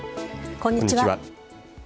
こんにちは。